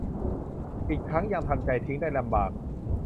อีกทั้งยังทำใจทิ้งได้ลำบาก